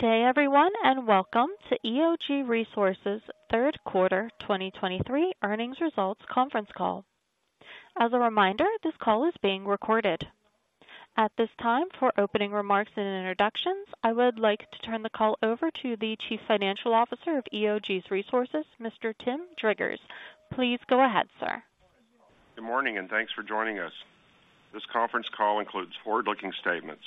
Good day, everyone, and welcome to EOG Resources' Third Quarter 2023 Earnings Results Conference Call. As a reminder, this call is being recorded. At this time, for opening remarks and introductions, I would like to turn the call over to the Chief Financial Officer of EOG Resources, Mr. Tim Driggers. Please go ahead, sir. Good morning, and thanks for joining us. This conference call includes forward-looking statements.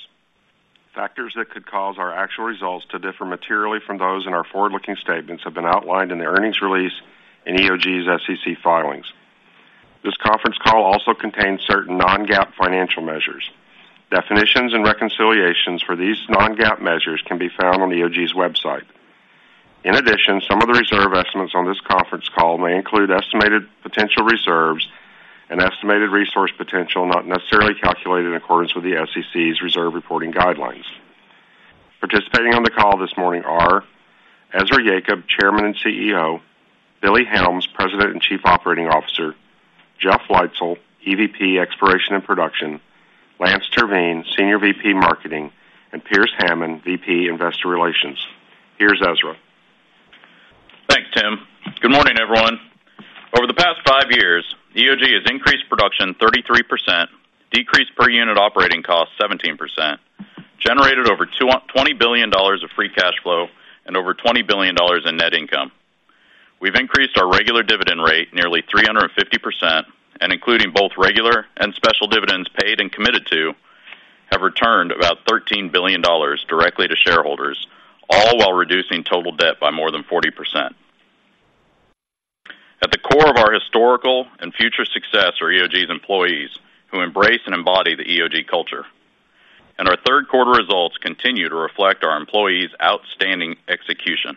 Factors that could cause our actual results to differ materially from those in our forward-looking statements have been outlined in the earnings release in EOG's SEC filings. This conference call also contains certain non-GAAP financial measures. Definitions and reconciliations for these non-GAAP measures can be found on EOG's website. In addition, some of the reserve estimates on this conference call may include estimated potential reserves and estimated resource potential, not necessarily calculated in accordance with the SEC's reserve reporting guidelines. Participating on the call this morning are Ezra Yacob, Chairman and CEO; Billy Helms, President and Chief Operating Officer; Jeff Leitzell, EVP, Exploration and Production; Lance Terveen, Senior VP, Marketing; and Pearce Hammond, VP, Investor Relations. Here's Ezra. Thanks, Tim. Good morning, everyone. Over the past five years, EOG has increased production 33%, decreased per unit operating costs 17%, generated over $20 billion of free cash flow and over $20 billion in net income. We've increased our regular dividend rate nearly 350%, and including both regular and special dividends paid and committed to, have returned about $13 billion directly to shareholders, all while reducing total debt by more than 40%. At the core of our historical and future success are EOG's employees, who embrace and embody the EOG culture, and our third quarter results continue to reflect our employees' outstanding execution.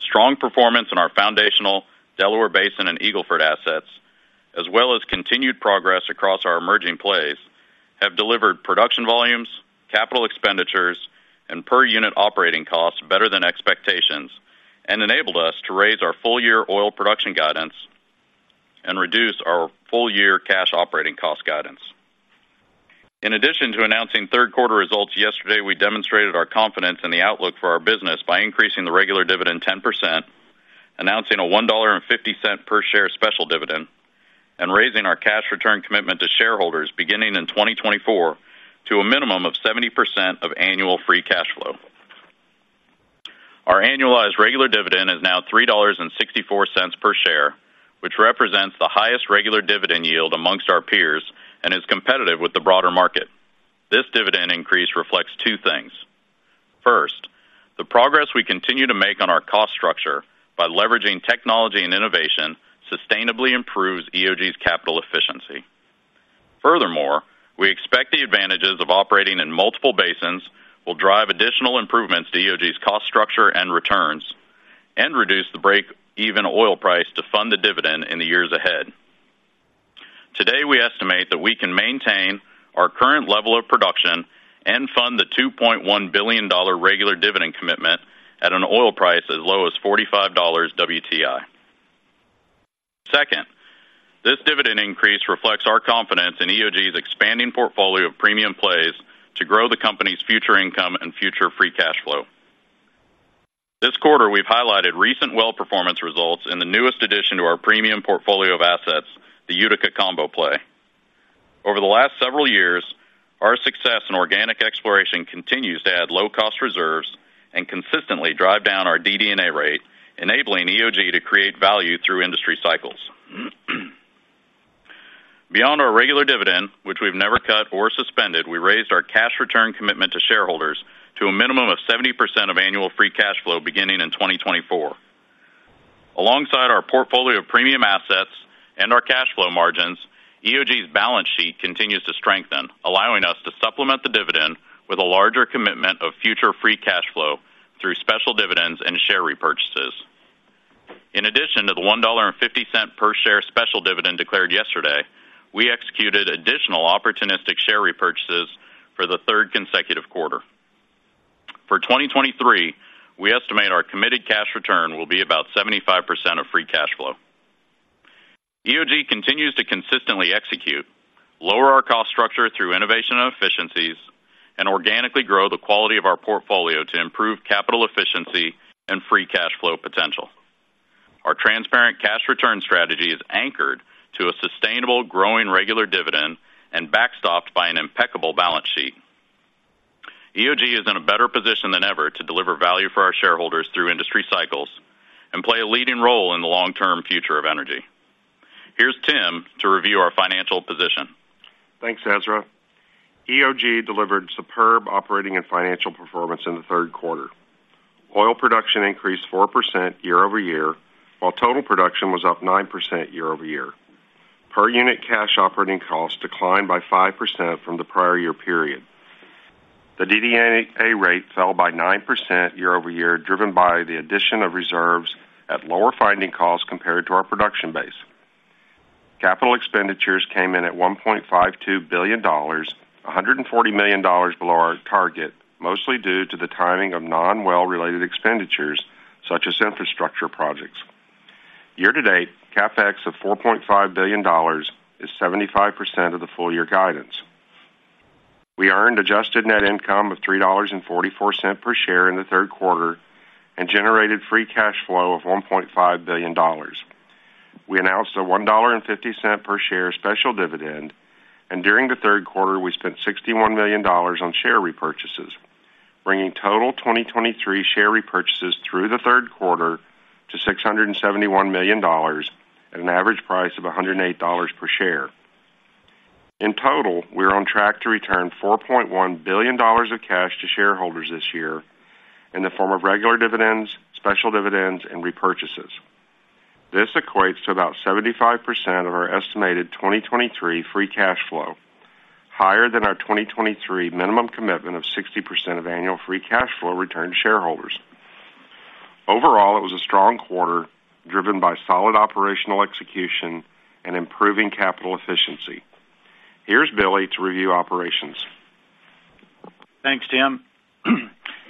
Strong performance in our foundational Delaware Basin and Eagle Ford assets, as well as continued progress across our emerging plays, have delivered production volumes, capital expenditures, and per unit operating costs better than expectations and enabled us to raise our full-year oil production guidance and reduce our full-year cash operating cost guidance. In addition to announcing third quarter results yesterday, we demonstrated our confidence in the outlook for our business by increasing the regular dividend 10%, announcing a $1.50 per share special dividend, and raising our cash return commitment to shareholders beginning in 2024 to a minimum of 70% of annual free cash flow. Our annualized regular dividend is now $3.64 per share, which represents the highest regular dividend yield amongst our peers and is competitive with the broader market. This dividend increase reflects two things: First, the progress we continue to make on our cost structure by leveraging technology and innovation sustainably improves EOG's capital efficiency. Furthermore, we expect the advantages of operating in multiple basins will drive additional improvements to EOG's cost structure and returns and reduce the break-even oil price to fund the dividend in the years ahead. Today, we estimate that we can maintain our current level of production and fund the $2.1 billion regular dividend commitment at an oil price as low as $45 WTI. Second, this dividend increase reflects our confidence in EOG's expanding portfolio of premium plays to grow the company's future income and future free cash flow. This quarter, we've highlighted recent well performance results in the newest addition to our premium portfolio of assets, the Utica Combo play. Over the last several years, our success in organic exploration continues to add low-cost reserves and consistently drive down our DD&A rate, enabling EOG to create value through industry cycles. Beyond our regular dividend, which we've never cut or suspended, we raised our cash return commitment to shareholders to a minimum of 70% of annual free cash flow beginning in 2024. Alongside our portfolio of premium assets and our cash flow margins, EOG's balance sheet continues to strengthen, allowing us to supplement the dividend with a larger commitment of future free cash flow through special dividends and share repurchases. In addition to the $1.50 per share special dividend declared yesterday, we executed additional opportunistic share repurchases for the third consecutive quarter. For 2023, we estimate our committed cash return will be about 75% of free cash flow. EOG continues to consistently execute, lower our cost structure through innovation and efficiencies, and organically grow the quality of our portfolio to improve capital efficiency and free cash flow potential. Our transparent cash return strategy is anchored to a sustainable, growing regular dividend and backstopped by an impeccable balance sheet. EOG is in a better position than ever to deliver value for our shareholders through industry cycles and play a leading role in the long-term future of energy. Here's Tim to review our financial position. Thanks, Ezra. EOG delivered superb operating and financial performance in the third quarter. Oil production increased 4% year-over-year, while total production was up 9% year-over-year. Per unit cash operating costs declined by 5% from the prior year period. The DD&A rate fell by 9% year-over-year, driven by the addition of reserves at lower finding costs compared to our production base. Capital expenditures came in at $1.52 billion, $140 million below our target, mostly due to the timing of non-well-related expenditures, such as infrastructure projects.... Year-to-date, CapEx of $4.5 billion is 75% of the full year guidance. We earned adjusted net income of $3.44 per share in the third quarter and generated free cash flow of $1.5 billion. We announced a $1.50 per share special dividend, and during the third quarter, we spent $61 million on share repurchases, bringing total 2023 share repurchases through the third quarter to $671 million at an average price of $108 per share. In total, we are on track to return $4.1 billion of cash to shareholders this year in the form of regular dividends, special dividends and repurchases. This equates to about 75% of our estimated 2023 free cash flow, higher than our 2023 minimum commitment of 60% of annual free cash flow returned to shareholders. Overall, it was a strong quarter, driven by solid operational execution and improving capital efficiency. Here's Billy to review operations. Thanks, Tim.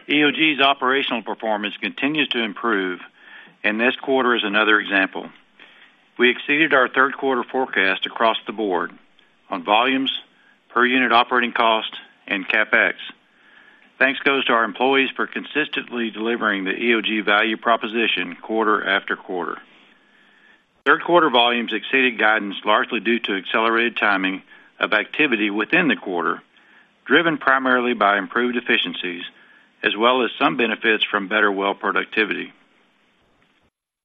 EOG's operational performance continues to improve, and this quarter is another example. We exceeded our third quarter forecast across the board on volumes, per unit operating cost, and CapEx. Thanks goes to our employees for consistently delivering the EOG value proposition quarter after quarter. Third quarter volumes exceeded guidance, largely due to accelerated timing of activity within the quarter, driven primarily by improved efficiencies as well as some benefits from better well productivity.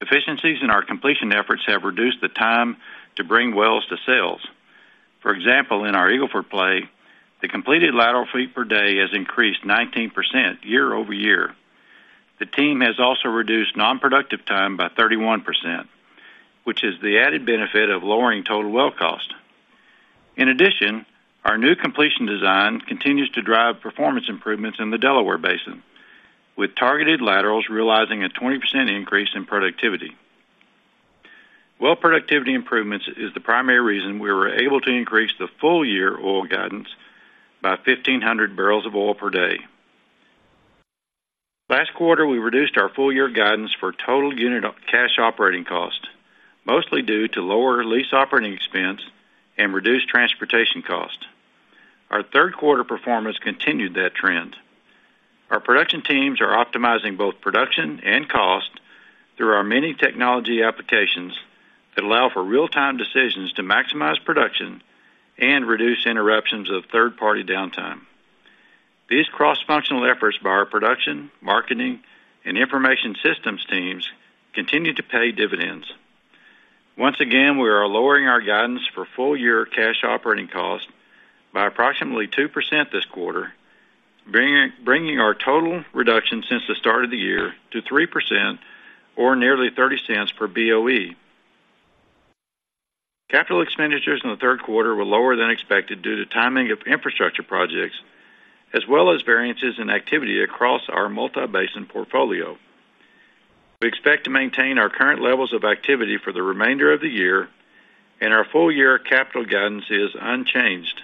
Efficiencies in our completion efforts have reduced the time to bring wells to sales. For example, in our Eagle Ford play, the completed lateral feet per day has increased 19% year-over-year. The team has also reduced non-productive time by 31%, which is the added benefit of lowering total well cost. In addition, our new completion design continues to drive performance improvements in the Delaware Basin, with targeted laterals realizing a 20% increase in productivity. Well productivity improvements is the primary reason we were able to increase the full-year oil guidance by 1,500 barrels of oil per day. Last quarter, we reduced our full-year guidance for total unit cash operating cost, mostly due to lower lease operating expense and reduced transportation cost. Our third quarter performance continued that trend. Our production teams are optimizing both production and cost through our many technology applications that allow for real-time decisions to maximize production and reduce interruptions of third-party downtime. These cross-functional efforts by our production, marketing, and information systems teams continue to pay dividends. Once again, we are lowering our guidance for full-year cash operating costs by approximately 2% this quarter, bringing our total reduction since the start of the year to 3% or nearly $0.30 per BOE. Capital expenditures in the third quarter were lower than expected due to timing of infrastructure projects, as well as variances in activity across our multi-basin portfolio. We expect to maintain our current levels of activity for the remainder of the year, and our full-year capital guidance is unchanged.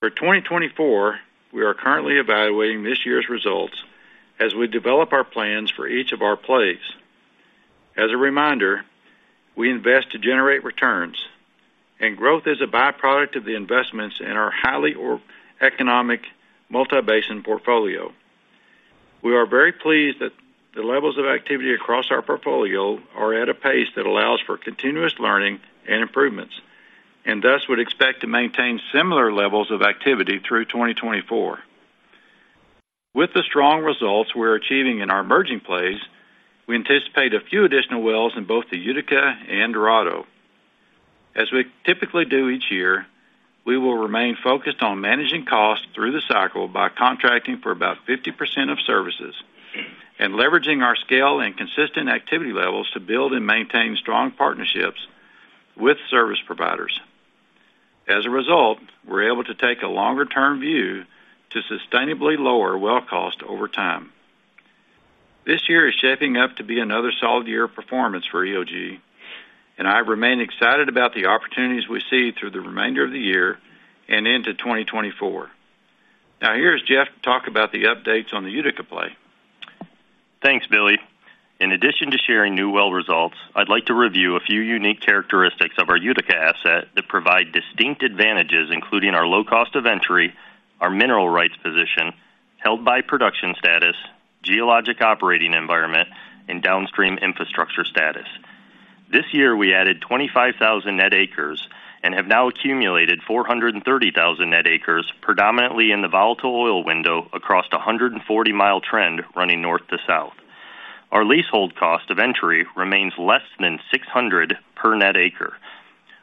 For 2024, we are currently evaluating this year's results as we develop our plans for each of our plays. As a reminder, we invest to generate returns, and growth is a byproduct of the investments in our highly economic multi-basin portfolio. We are very pleased that the levels of activity across our portfolio are at a pace that allows for continuous learning and improvements, and thus would expect to maintain similar levels of activity through 2024. With the strong results we're achieving in our emerging plays, we anticipate a few additional wells in both the Utica and Dorado. As we typically do each year, we will remain focused on managing costs through the cycle by contracting for about 50% of services and leveraging our scale and consistent activity levels to build and maintain strong partnerships with service providers. As a result, we're able to take a longer-term view to sustainably lower well cost over time. This year is shaping up to be another solid year of performance for EOG, and I remain excited about the opportunities we see through the remainder of the year and into 2024. Now, here's Jeff to talk about the updates on the Utica play. Thanks, Billy. In addition to sharing new well results, I'd like to review a few unique characteristics of our Utica asset that provide distinct advantages, including our low cost of entry, our mineral rights position, held by production status, geologic operating environment, and downstream infrastructure status. This year, we added 25,000 net acres and have now accumulated 430,000 net acres, predominantly in the volatile oil window across a 140-mile trend running north to south. Our leasehold cost of entry remains less than $600 per net acre.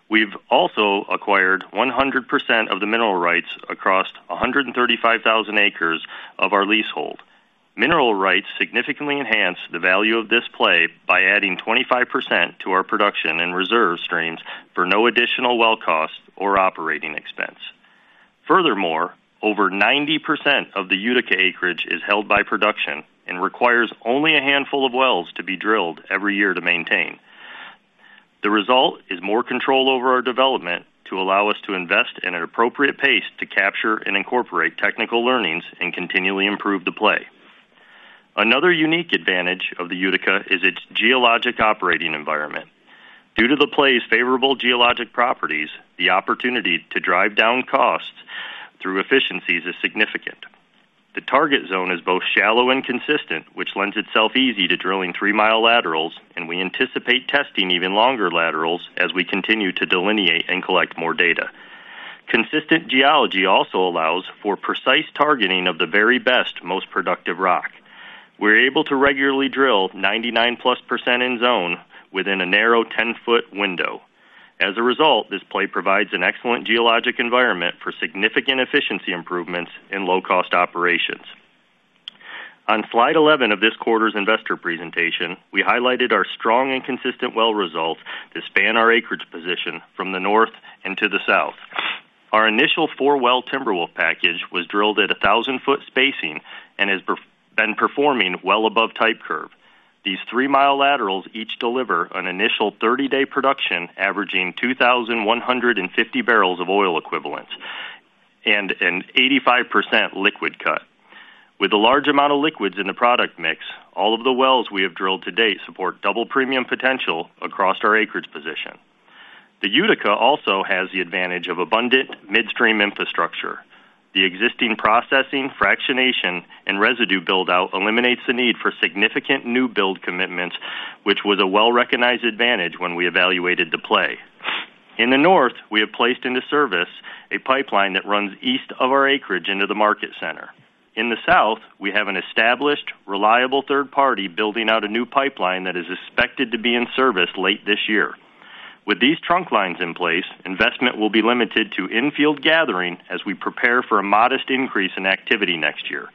We've also acquired 100% of the mineral rights across 135,000 acres of our leasehold. Mineral rights significantly enhance the value of this play by adding 25% to our production and reserve streams for no additional well cost or operating expense. Furthermore, over 90% of the Utica acreage is held by production and requires only a handful of wells to be drilled every year to maintain.... The result is more control over our development to allow us to invest in an appropriate pace to capture and incorporate technical learnings and continually improve the play. Another unique advantage of the Utica is its geologic operating environment. Due to the play's favorable geologic properties, the opportunity to drive down costs through efficiencies is significant. The target zone is both shallow and consistent, which lends itself easy to drilling 3-mile laterals, and we anticipate testing even longer laterals as we continue to delineate and collect more data. Consistent geology also allows for precise targeting of the very best, most productive rock. We're able to regularly drill 99%+ in zone within a narrow 10-foot window. As a result, this play provides an excellent geologic environment for significant efficiency improvements in low-cost operations. On slide 11 of this quarter's investor presentation, we highlighted our strong and consistent well results to span our acreage position from the north into the south. Our initial four-well Timberwolf package was drilled at a 1,000-foot spacing and has been performing well above type curve. These three-mile laterals each deliver an initial 30-day production, averaging 2,150 barrels of oil equivalents and an 85% liquid cut. With a large amount of liquids in the product mix, all of the wells we have drilled to date support Double Premium potential across our acreage position. The Utica also has the advantage of abundant midstream infrastructure. The existing processing, fractionation, and residue build-out eliminates the need for significant new build commitments, which was a well-recognized advantage when we evaluated the play. In the north, we have placed into service a pipeline that runs east of our acreage into the market center. In the south, we have an established, reliable third party building out a new pipeline that is expected to be in service late this year. With these trunk lines in place, investment will be limited to infield gathering as we prepare for a modest increase in activity next year.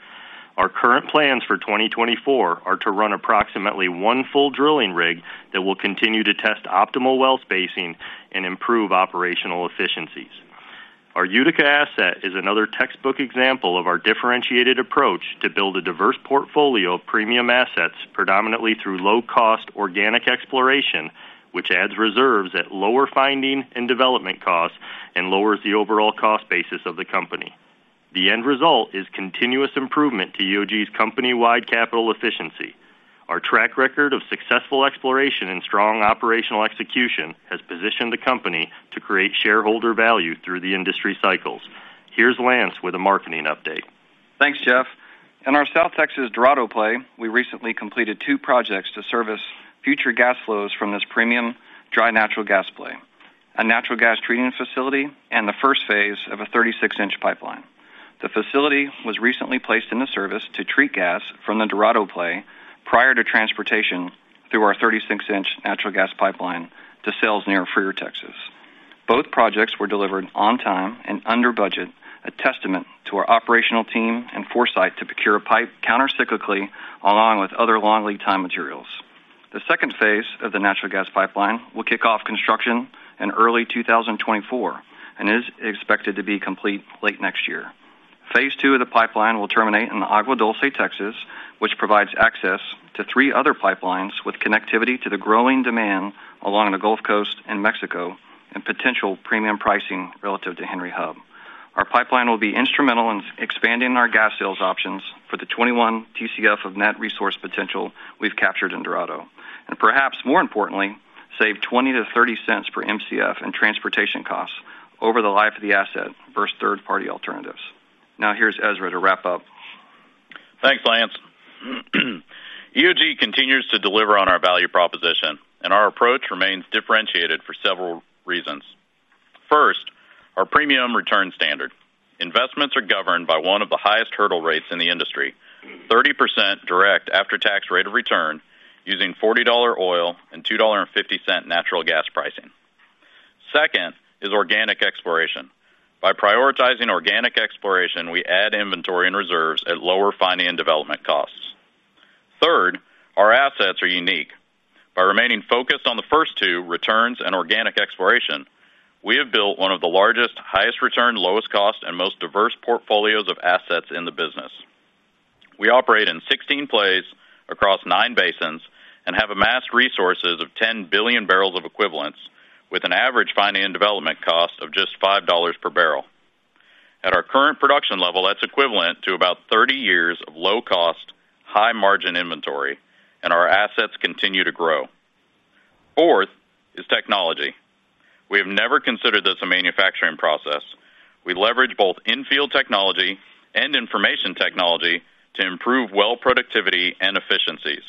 Our current plans for 2024 are to run approximately one full drilling rig that will continue to test optimal well spacing and improve operational efficiencies. Our Utica asset is another textbook example of our differentiated approach to build a diverse portfolio of premium assets, predominantly through low-cost organic exploration, which adds reserves at lower finding and development costs and lowers the overall cost basis of the company. The end result is continuous improvement to EOG's company-wide capital efficiency. Our track record of successful exploration and strong operational execution has positioned the company to create shareholder value through the industry cycles. Here's Lance with a marketing update. Thanks, Jeff. In our South Texas Dorado play, we recently completed two projects to service future gas flows from this premium dry natural gas play, a natural gas treating facility, and the first phase of a 36-inch pipeline. The facility was recently placed in the service to treat gas from the Dorado play prior to transportation through our 36-inch natural gas pipeline to sales near Freer, Texas. Both projects were delivered on time and under budget, a testament to our operational team and foresight to procure pipe countercyclically, along with other long lead time materials. The second phase of the natural gas pipeline will kick off construction in early 2024 and is expected to be complete late next year. Phase 2 of the pipeline will terminate in the Agua Dulce, Texas, which provides access to three other pipelines, with connectivity to the growing demand along the Gulf Coast and Mexico, and potential premium pricing relative to Henry Hub. Our pipeline will be instrumental in expanding our gas sales options for the 21 TCF of net resource potential we've captured in Dorado, and perhaps more importantly, save $0.20-$0.30 per Mcf in transportation costs over the life of the asset versus third-party alternatives. Now, here's Ezra to wrap up. Thanks, Lance. EOG continues to deliver on our value proposition, and our approach remains differentiated for several reasons. First, our premium return standard. Investments are governed by one of the highest hurdle rates in the industry, 30% direct after-tax rate of return, using $40 oil and $2.50 natural gas pricing. Second is organic exploration. By prioritizing organic exploration, we add inventory and reserves at lower finding and development costs. Third, our assets are unique. By remaining focused on the first two, returns and organic exploration, we have built one of the largest, highest return, lowest cost, and most diverse portfolios of assets in the business. We operate in 16 plays across nine basins and have amassed resources of 10 billion barrels of equivalents, with an average finding and development cost of just $5 per barrel. At our current production level, that's equivalent to about 30 years of low cost, high margin inventory, and our assets continue to grow. Fourth is technology. We have never considered this a manufacturing process. We leverage both infield technology and information technology to improve well productivity and efficiencies.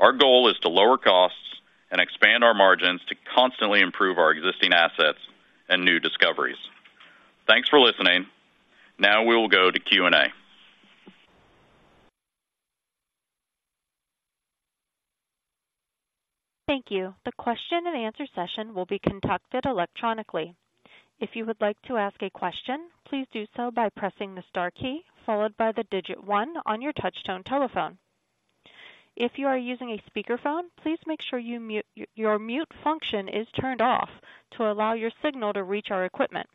Our goal is to lower costs and expand our margins to constantly improve our existing assets and new discoveries. Thanks for listening. Now we will go to Q&A. Thank you. The question and answer session will be conducted electronically. If you would like to ask a question, please do so by pressing the star key followed by the digit one on your touchtone telephone. If you are using a speakerphone, please make sure your mute function is turned off to allow your signal to reach our equipment.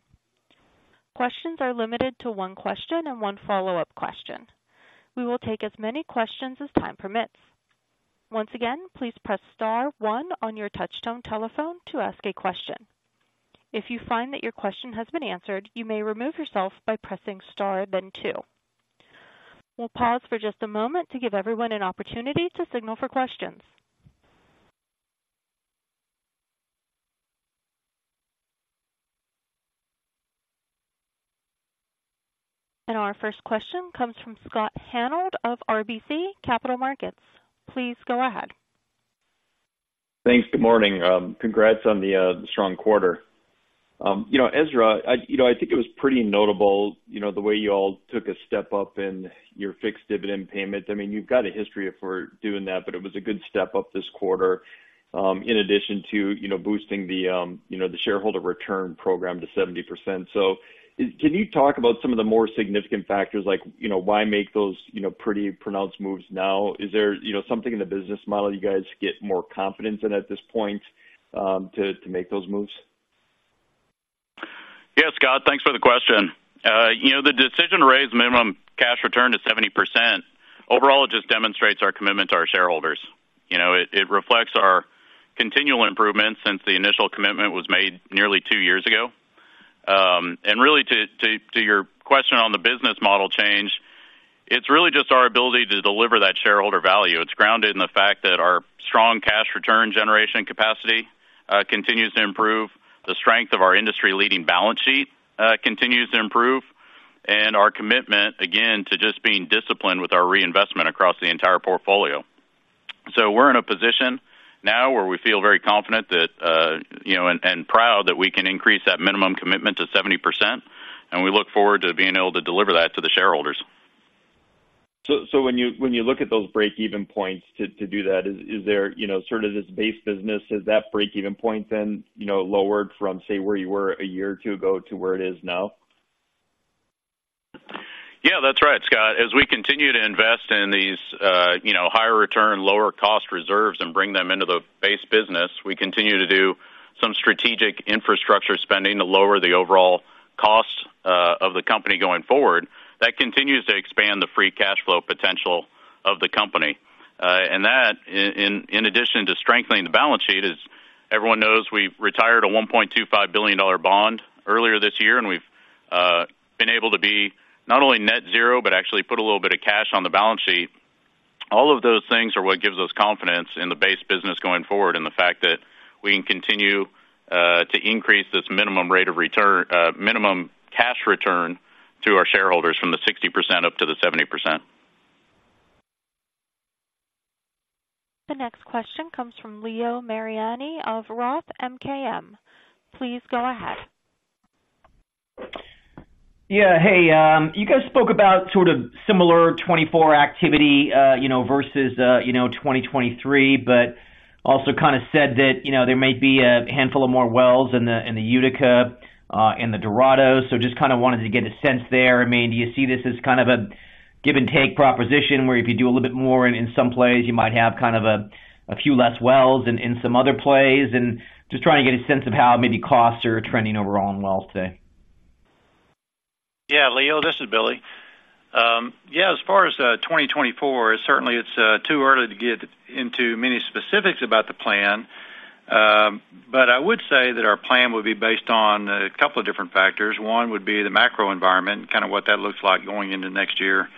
Questions are limited to one question and one follow-up question. We will take as many questions as time permits. Once again, please press star one on your touchtone telephone to ask a question. If you find that your question has been answered, you may remove yourself by pressing star, then two. We'll pause for just a moment to give everyone an opportunity to signal for questions. And our first question comes from Scott Hanold of RBC Capital Markets. Please go ahead. Thanks. Good morning. Congrats on the strong quarter. You know, Ezra, I think it was pretty notable, you know, the way you all took a step up in your fixed dividend payments. I mean, you've got a history for doing that, but it was a good step up this quarter, in addition to, you know, boosting the shareholder return program to 70%. So can you talk about some of the more significant factors, like, you know, why make those pretty pronounced moves now? Is there, you know, something in the business model you guys get more confidence in at this point, to make those moves? Yes, Scott, thanks for the question. You know, the decision to raise minimum cash return to 70%, overall, it just demonstrates our commitment to our shareholders. You know, it reflects our continual improvement since the initial commitment was made nearly two years ago. And really, to your question on the business model change, it's really just our ability to deliver that shareholder value. It's grounded in the fact that our strong cash return generation capacity continues to improve. The strength of our industry-leading balance sheet continues to improve, and our commitment, again, to just being disciplined with our reinvestment across the entire portfolio. So we're in a position now where we feel very confident that, you know, and, and proud that we can increase that minimum commitment to 70%, and we look forward to being able to deliver that to the shareholders. So when you look at those break-even points to do that, is there, you know, sort of this base business, is that break-even point then, you know, lowered from, say, where you were a year or two ago to where it is now? Yeah, that's right, Scott. As we continue to invest in these, you know, higher return, lower cost reserves and bring them into the base business, we continue to do some strategic infrastructure spending to lower the overall costs of the company going forward. That continues to expand the free cash flow potential of the company. And that, in addition to strengthening the balance sheet, as everyone knows, we've retired a $1.25 billion bond earlier this year, and we've been able to be not only net zero, but actually put a little bit of cash on the balance sheet. All of those things are what gives us confidence in the base business going forward, and the fact that we can continue to increase this minimum cash return to our shareholders from the 60% up to the 70%. The next question comes from Leo Mariani of Roth MKM. Please go ahead. Yeah. Hey, you guys spoke about sort of similar 2024 activity, you know, versus, you know, 2023, but also kind of said that, you know, there might be a handful of more wells in the, in the Utica, and the Dorado. So just kind of wanted to get a sense there. I mean, do you see this as kind of a give-and-take proposition, where if you do a little bit more in some plays, you might have kind of a, a few less wells in, in some other plays? And just trying to get a sense of how maybe costs are trending overall in wells today. Yeah, Leo, this is Billy. Yeah, as far as 2024, certainly it's too early to get into many specifics about the plan. But I would say that our plan would be based on a couple of different factors. One would be the macro environment, kind of what that looks like going into next year.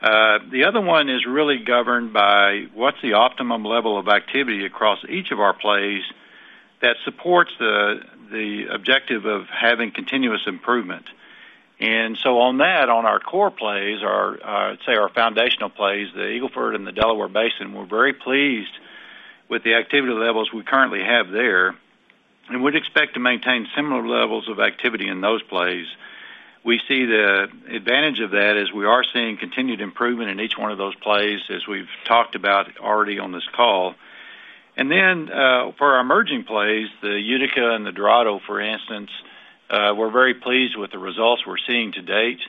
The other one is really governed by what's the optimum level of activity across each of our plays that supports the, the objective of having continuous improvement. And so on that, on our core plays, our, say, our foundational plays, the Eagle Ford and the Delaware Basin, we're very pleased with the activity levels we currently have there, and we'd expect to maintain similar levels of activity in those plays. We see the advantage of that is we are seeing continued improvement in each one of those plays, as we've talked about already on this call. And then, for our emerging plays, the Utica and the Dorado, for instance, we're very pleased with the results we're seeing to date.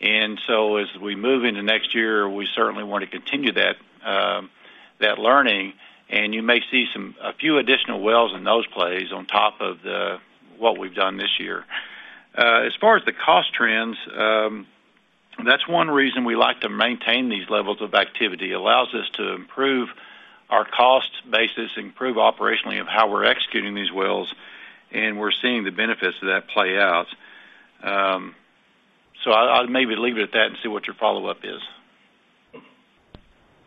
And so as we move into next year, we certainly want to continue that, that learning, and you may see a few additional wells in those plays on top of what we've done this year. As far as the cost trends, that's one reason we like to maintain these levels of activity. Allows us to improve our cost basis and improve operationally of how we're executing these wells, and we're seeing the benefits of that play out. So I, I'll maybe leave it at that and see what your follow-up is.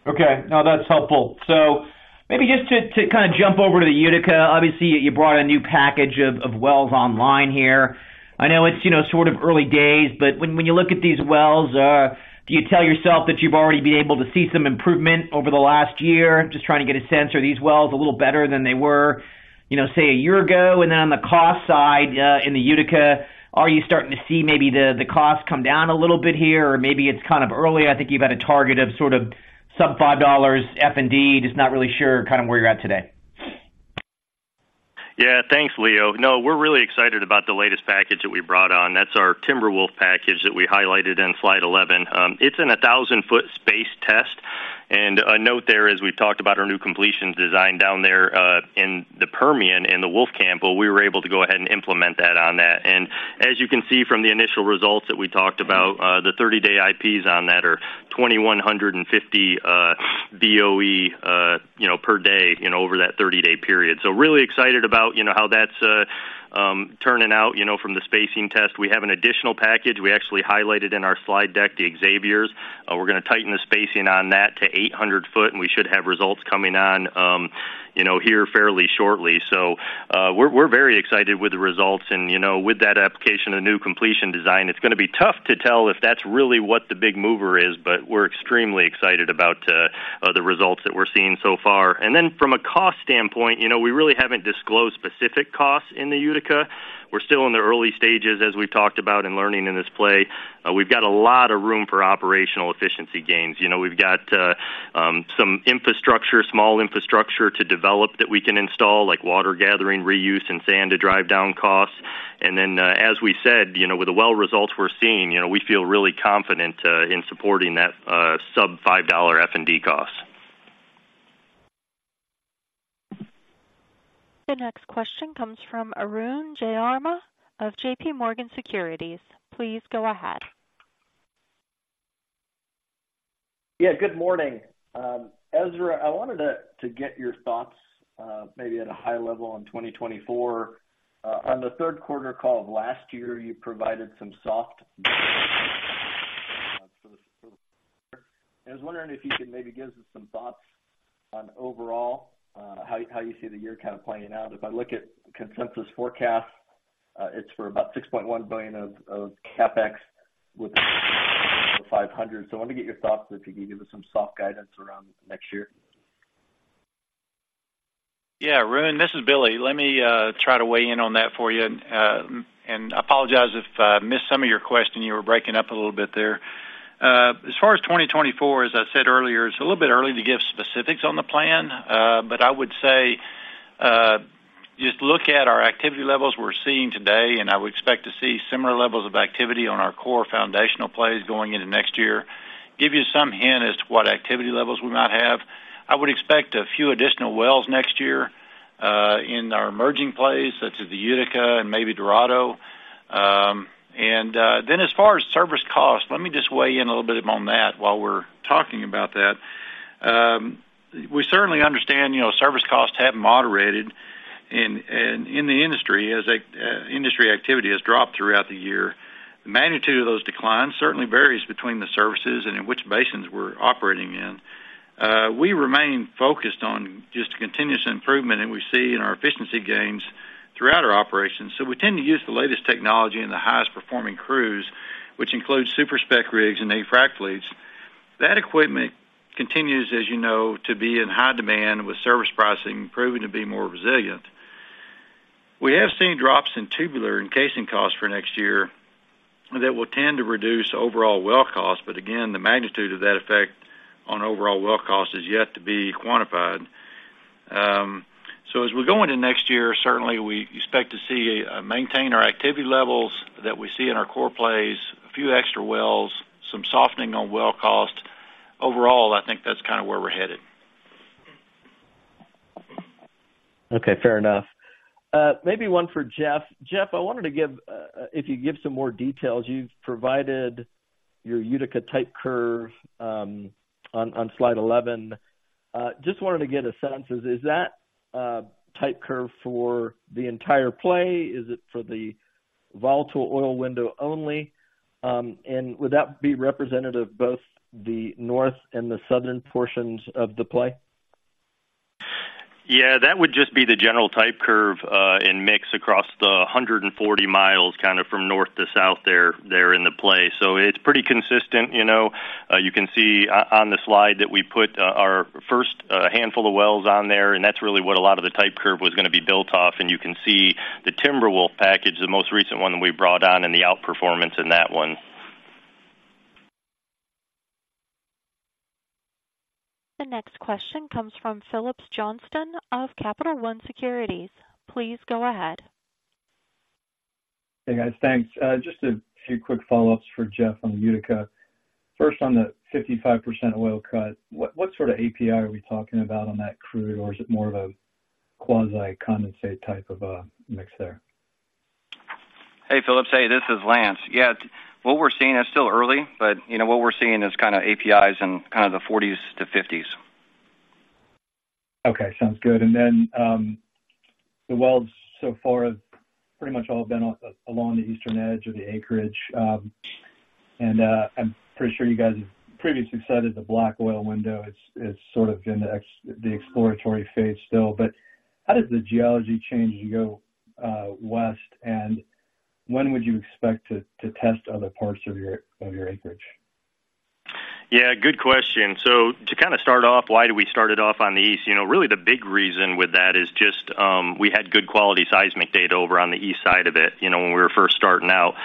Okay. No, that's helpful. So maybe just to kind of jump over to the Utica. Obviously, you brought a new package of wells online here. I know it's, you know, sort of early days, but when you look at these wells, do you tell yourself that you've already been able to see some improvement over the last year? Just trying to get a sense, are these wells a little better than they were, you know, say, a year ago? And then on the cost side, in the Utica, are you starting to see maybe the costs come down a little bit here? Or maybe it's kind of early. I think you've had a target of sort of sub-$5 F&D, just not really sure kind of where you're at today. Yeah. Thanks, Leo. No, we're really excited about the latest package that we brought on. That's our Timberwolf package that we highlighted in Slide 11. It's in a 1,000-foot spacing test. ...And a note there, as we've talked about our new completions design down there, in the Permian, in the Wolfcamp, but we were able to go ahead and implement that on that. And as you can see from the initial results that we talked about, the 30-day IPs on that are 2,150 BOE, you know, per day, you know, over that 30-day period. So really excited about, you know, how that's turning out, you know, from the spacing test. We have an additional package. We actually highlighted in our slide deck, the Xaviers. We're gonna tighten the spacing on that to 800-foot, and we should have results coming on, you know, here fairly shortly. So, we're very excited with the results. You know, with that application, a new completion design, it's gonna be tough to tell if that's really what the big mover is, but we're extremely excited about the results that we're seeing so far. And then from a cost standpoint, you know, we really haven't disclosed specific costs in the Utica. We're still in the early stages, as we've talked about, in learning in this play. We've got a lot of room for operational efficiency gains. You know, we've got some infrastructure, small infrastructure to develop that we can install, like water gathering, reuse, and sand to drive down costs. And then, as we said, you know, with the well results we're seeing, you know, we feel really confident in supporting that sub-$5 F&D costs. The next question comes from Arun Jayaram of JP Morgan Securities. Please go ahead. Yeah, good morning. Ezra, I wanted to, to get your thoughts, maybe at a high level on 2024. On the third quarter call of last year, you provided some soft... I was wondering if you could maybe give us some thoughts on overall, how, how you see the year kind of playing out. If I look at consensus forecast, it's for about $6.1 billion of, of CapEx with- 500. So I want to get your thoughts, if you can give us some soft guidance around next year. Yeah, Arun, this is Billy. Let me try to weigh in on that for you, and apologize if I missed some of your question. You were breaking up a little bit there. As far as 2024, as I said earlier, it's a little bit early to give specifics on the plan. But I would say, just look at our activity levels we're seeing today, and I would expect to see similar levels of activity on our core foundational plays going into next year. Give you some hint as to what activity levels we might have. I would expect a few additional wells next year, in our emerging plays, such as the Utica and maybe Dorado. And, then as far as service costs, let me just weigh in a little bit on that while we're talking about that. We certainly understand, you know, service costs have moderated in the industry as industry activity has dropped throughout the year. The magnitude of those declines certainly varies between the services and in which basins we're operating in. We remain focused on just continuous improvement, and we see in our efficiency gains throughout our operations. So we tend to use the latest technology and the highest performing crews, which includes super-spec rigs and eight frac fleets. That equipment continues, as you know, to be in high demand, with service pricing proving to be more resilient. We have seen drops in tubular and casing costs for next year that will tend to reduce overall well costs, but again, the magnitude of that effect on overall well cost is yet to be quantified. So as we go into next year, certainly we expect to see maintain our activity levels that we see in our core plays, a few extra wells, some softening on well cost. Overall, I think that's kind of where we're headed. Okay, fair enough. Maybe one for Jeff. Jeff, I wanted to give, if you give some more details, you've provided your Utica type curve, on slide 11. Just wanted to get a sense, is that type curve for the entire play? Is it for the volatile oil window only? And would that be representative of both the north and the southern portions of the play? Yeah, that would just be the general type curve in mix across the 140 miles, kind of from north to south there in the play. So it's pretty consistent. You know, you can see on the slide that we put our first handful of wells on there, and that's really what a lot of the type curve was gonna be built off. And you can see the Timberwolf package, the most recent one that we brought on, and the outperformance in that one. The next question comes from Phillips Johnston of Capital One Securities. Please go ahead. Hey, guys. Thanks. Just a few quick follow-ups for Jeff on the Utica. First, on the 55% oil cut, what, what sort of API are we talking about on that crude? Or is it more of a quasi condensate type of mix there? Hey, Phillips. Hey, this is Lance. Yeah, what we're seeing is still early, but, you know, what we're seeing is kind of APIs in kind of the 40s-50s. Okay, sounds good. And then, the wells so far have pretty much all been off along the eastern edge of the acreage. I'm pretty sure you guys have previously cited the black oil window. It's sort of in the exploratory phase still. But how does the geology change as you go west? And when would you expect to test other parts of your acreage? Yeah, good question. So to kinda start off, why do we start it off on the east? You know, really the big reason with that is just, we had good quality seismic data over on the east side of it, you know, when we were first starting out.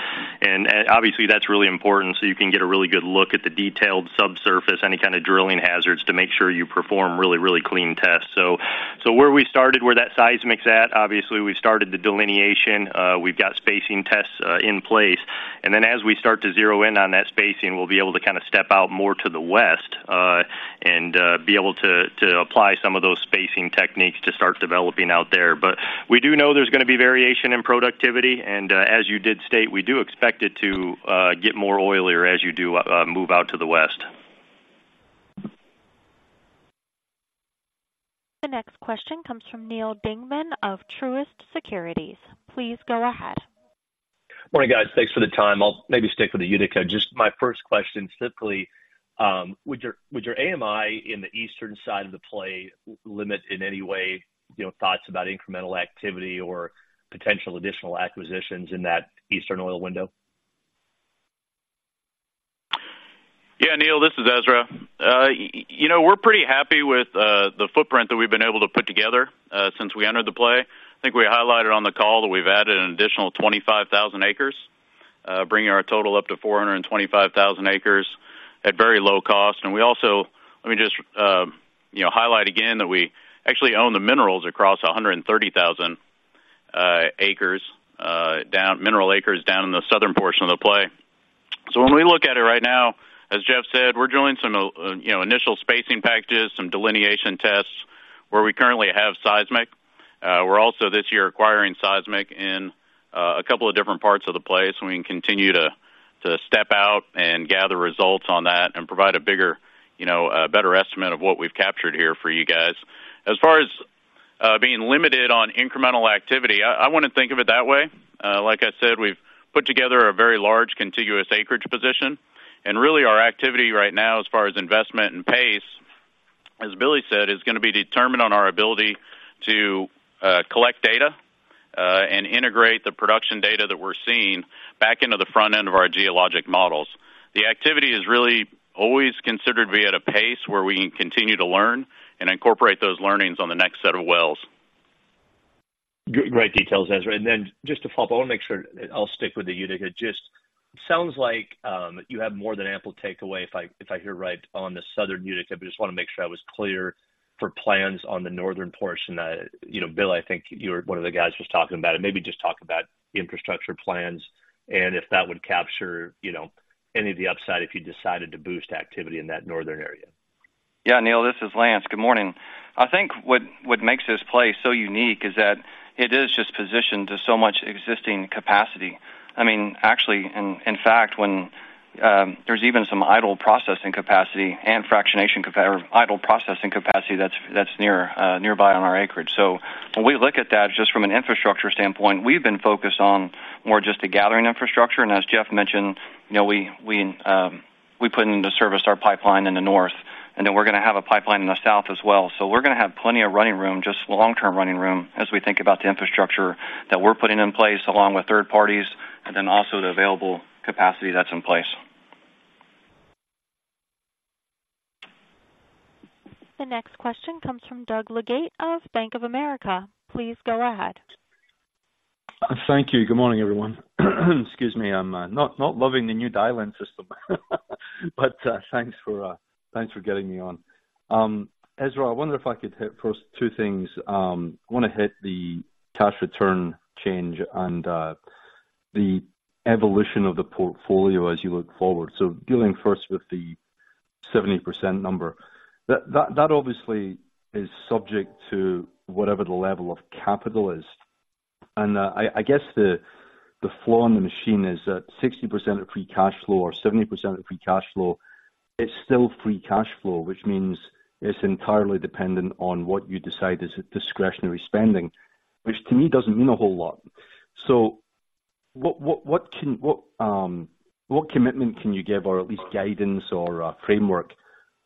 And, obviously, that's really important, so you can get a really good look at the detailed subsurface, any kind of drilling hazards to make sure you perform really, really clean tests. So where we started, where that seismic's at, obviously, we started the delineation. We've got spacing tests in place. ...And then as we start to zero in on that spacing, we'll be able to kind of step out more to the west, and be able to apply some of those spacing techniques to start developing out there. But we do know there's going to be variation in productivity, and as you did state, we do expect it to get more oilier as you do move out to the west. The next question comes from Neil Dingmann of Truist Securities. Please go ahead. Morning, guys. Thanks for the time. I'll maybe stick with the Utica. Just my first question, simply, would your, would your AMI in the eastern side of the play limit in any way, you know, thoughts about incremental activity or potential additional acquisitions in that eastern oil window? Yeah, Neil, this is Ezra. You know, we're pretty happy with the footprint that we've been able to put together since we entered the play. I think we highlighted on the call that we've added an additional 25,000 acres, bringing our total up to 425,000 acres at very low cost. We also, let me just, you know, highlight again that we actually own the minerals across 130,000 acres, mineral acres down in the southern portion of the play. So when we look at it right now, as Jeff said, we're doing some, you know, initial spacing packages, some delineation tests where we currently have seismic. We're also, this year, acquiring seismic in a couple of different parts of the play, so we can continue to step out and gather results on that and provide a bigger, you know, a better estimate of what we've captured here for you guys. As far as being limited on incremental activity, I wouldn't think of it that way. Like I said, we've put together a very large contiguous acreage position, and really, our activity right now, as far as investment and pace, as Billy said, is going to be determined on our ability to collect data and integrate the production data that we're seeing back into the front end of our geologic models. The activity is really always considered to be at a pace where we can continue to learn and incorporate those learnings on the next set of wells. Great details, Ezra. Then just to follow up, I want to make sure I'll stick with the Utica. Just sounds like you have more than ample takeaway, if I hear right, on the southern Utica, but just want to make sure I was clear for plans on the northern portion. You know, Bill, I think you were one of the guys just talking about it. Maybe just talk about infrastructure plans and if that would capture, you know, any of the upside if you decided to boost activity in that northern area. Yeah, Neil, this is Lance. Good morning. I think what makes this play so unique is that it is just positioned to so much existing capacity. I mean, actually, in fact, there's even some idle processing capacity and fractionation cap-- or idle processing capacity that's near, nearby on our acreage. So when we look at that, just from an infrastructure standpoint, we've been focused on more just the gathering infrastructure. And as Jeff mentioned, you know, we put into service our pipeline in the north, and then we're going to have a pipeline in the south as well. So we're going to have plenty of running room, just long-term running room, as we think about the infrastructure that we're putting in place along with third parties and then also the available capacity that's in place. The next question comes from Doug Leggate of Bank of America. Please go ahead. Thank you. Good morning, everyone. Excuse me. I'm not loving the new dial-in system, but thanks for getting me on. Ezra, I wonder if I could hit first two things. I want to hit the cash return change and the evolution of the portfolio as you look forward. So dealing first with the 70% number, that obviously is subject to whatever the level of capital is. And I guess the flaw in the machine is that 60% of free cash flow or 70% of free cash flow, it's still free cash flow, which means it's entirely dependent on what you decide is discretionary spending, which, to me, doesn't mean a whole lot. So what commitment can you give or at least guidance or framework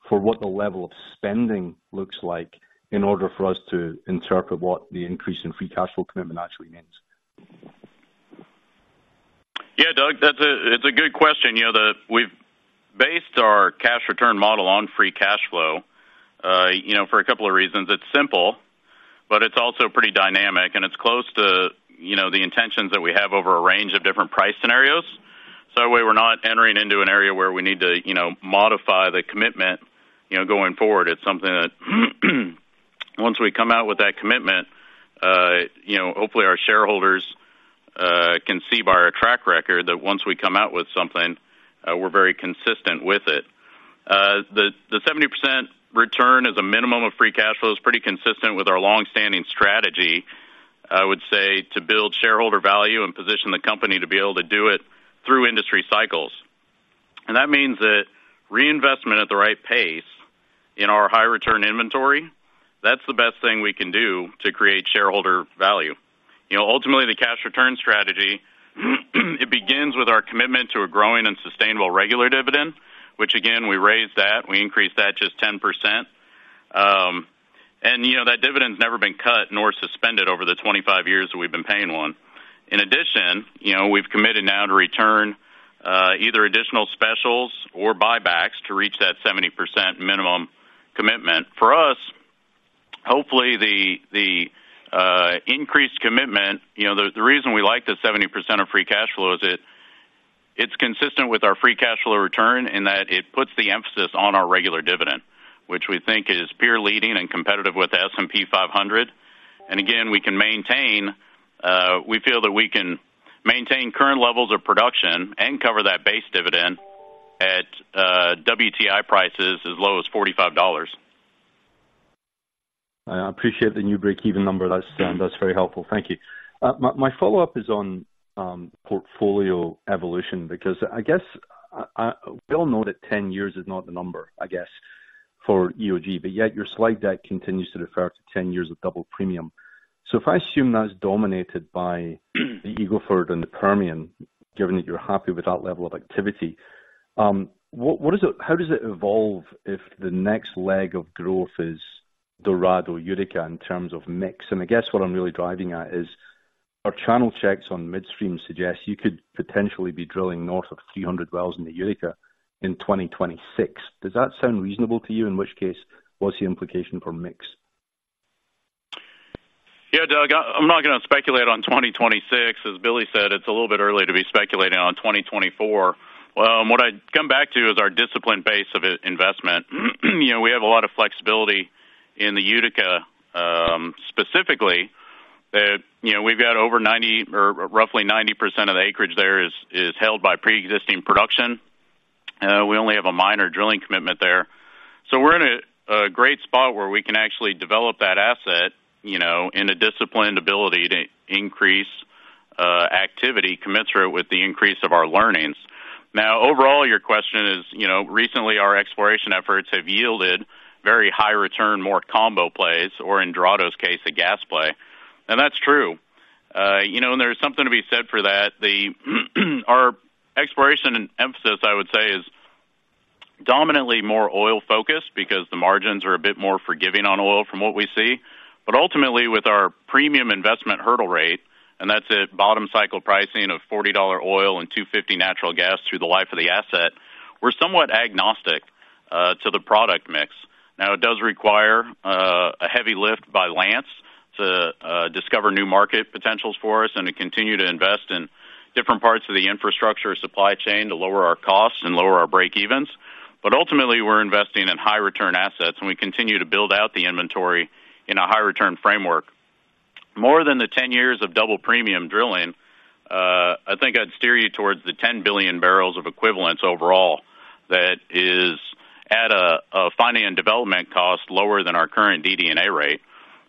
for what the level of spending looks like in order for us to interpret what the increase in free cash flow commitment actually means? Yeah, Doug, that's a good question. You know, we've based our cash return model on free cash flow, you know, for a couple of reasons. It's simple, but it's also pretty dynamic, and it's close to, you know, the intentions that we have over a range of different price scenarios. So that way, we're not entering into an area where we need to, you know, modify the commitment, you know, going forward. It's something that, once we come out with that commitment, you know, hopefully, our shareholders can see by our track record that once we come out with something, we're very consistent with it. The 70% return is a minimum of free cash flow. It's pretty consistent with our long-standing strategy, I would say, to build shareholder value and position the company to be able to do it through industry cycles. That means that reinvestment at the right pace in our high return inventory, that's the best thing we can do to create shareholder value. You know, ultimately, the cash return strategy, it begins with our commitment to a growing and sustainable regular dividend, which again, we raised that. We increased that just 10%. And you know, that dividend's never been cut nor suspended over the 25 years that we've been paying one. In addition, you know, we've committed now to return, either additional specials or buybacks to reach that 70% minimum commitment. For us, hopefully, the increased commitment, you know, the reason we like the 70% of free cash flow is it's consistent with our free cash flow return in that it puts the emphasis on our regular dividend, which we think is peer leading and competitive with the S&P 500. Again, we can maintain, we feel that we can maintain current levels of production and cover that base dividend at WTI prices as low as $45. I appreciate the new breakeven number. That's, that's very helpful. Thank you. My follow-up is on portfolio evolution, because I guess, we all know that 10 years is not the number, I guess, for EOG, but yet your slide deck continues to refer to 10 years of Double Premium. So if I assume that's dominated by the Eagle Ford and the Permian, given that you're happy with that level of activity, what is it-how does it evolve if the next leg of growth is Dorado Utica in terms of mix? And I guess what I'm really driving at is, our channel checks on midstream suggest you could potentially be drilling north of 300 wells in the Utica in 2026. Does that sound reasonable to you? In which case, what's the implication for mix? Yeah, Doug, I'm not going to speculate on 2026. As Billy said, it's a little bit early to be speculating on 2024. What I'd come back to is our disciplined base of investment. You know, we have a lot of flexibility in the Utica, specifically, that, you know, we've got over 90% or roughly 90% of the acreage there is held by pre-existing production. We only have a minor drilling commitment there. So we're in a great spot where we can actually develop that asset, you know, in a disciplined ability to increase activity commensurate with the increase of our learnings. Now, overall, your question is, you know, recently, our exploration efforts have yielded very high return, more combo plays, or in Dorado's case, a gas play. And that's true. You know, and there's something to be said for that. Our exploration and emphasis, I would say, is dominantly more oil-focused because the margins are a bit more forgiving on oil from what we see. But ultimately, with our premium investment hurdle rate, and that's at bottom cycle pricing of $40 oil and $2.50 natural gas through the life of the asset, we're somewhat agnostic to the product mix. Now, it does require a heavy lift by Lance to discover new market potentials for us and to continue to invest in different parts of the infrastructure supply chain to lower our costs and lower our breakevens. But ultimately, we're investing in high return assets, and we continue to build out the inventory in a high return framework. More than the 10 years of Double Premium drilling, I think I'd steer you towards the 10 billion barrels of equivalents overall. That is at a finding and development cost lower than our current DD&A rate.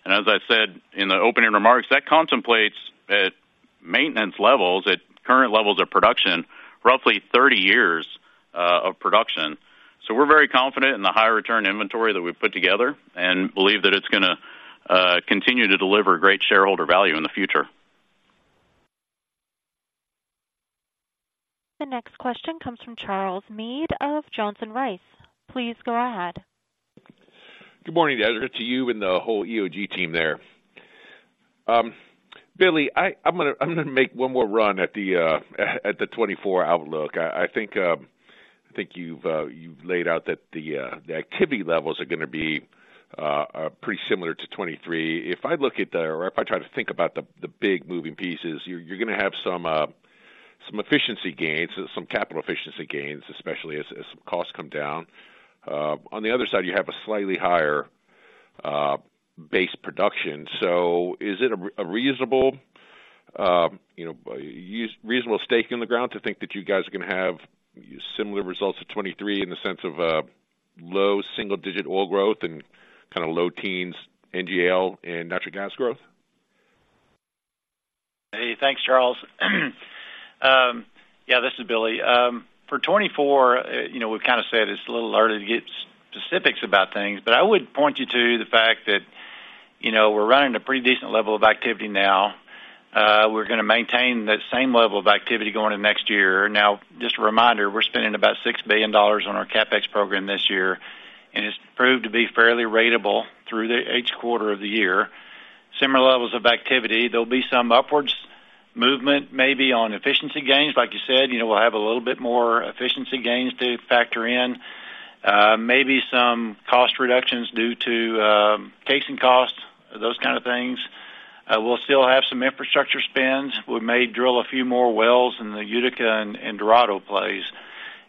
And as I said in the opening remarks, that contemplates at maintenance levels, at current levels of production, roughly 30 years of production. So we're very confident in the high return inventory that we've put together and believe that it's gonna continue to deliver great shareholder value in the future. The next question comes from Charles Meade of Johnson Rice. Please go ahead. Good morning, guys, good to you and the whole EOG team there. Billy, I'm gonna make one more run at the 2024 outlook. I think you've laid out that the activity levels are gonna be pretty similar to 2023. If I look at the or if I try to think about the big moving pieces, you're gonna have some efficiency gains, some capital efficiency gains, especially as costs come down. On the other side, you have a slightly higher base production. So is it a reasonable, you know, stake in the ground to think that you guys are gonna have similar results of 2023 in the sense of low single digit oil growth and kinda low teens, NGL and natural gas growth? Hey, thanks, Charles. Yeah, this is Billy. For 2024, you know, we've kind of said it's a little early to get specifics about things, but I would point you to the fact that, you know, we're running a pretty decent level of activity now. We're gonna maintain that same level of activity going into next year. Now, just a reminder, we're spending about $6 billion on our CapEx program this year, and it's proved to be fairly ratable through each quarter of the year. Similar levels of activity, there'll be some upwards movement, maybe on efficiency gains. Like you said, you know, we'll have a little bit more efficiency gains to factor in, maybe some cost reductions due to casing costs, those kind of things. We'll still have some infrastructure spends. We may drill a few more wells in the Utica and Dorado plays,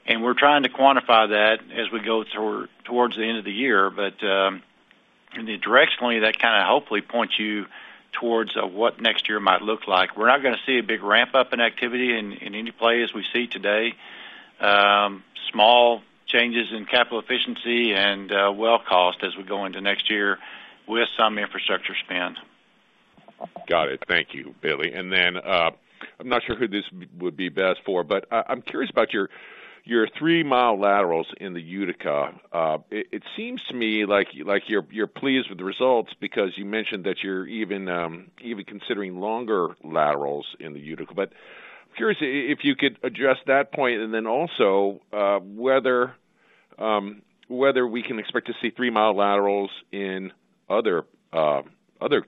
and we're trying to quantify that as we go towards the end of the year. But directionally, that kinda hopefully points you towards what next year might look like. We're not gonna see a big ramp-up in activity in any play as we see today. Small changes in capital efficiency and well cost as we go into next year with some infrastructure spend. Got it. Thank you, Billy. And then, I'm not sure who this would be best for, but I'm curious about your 3-mile laterals in the Utica. It seems to me like you're pleased with the results because you mentioned that you're even considering longer laterals in the Utica. But curious if you could address that point, and then also, whether we can expect to see 3-mile laterals in other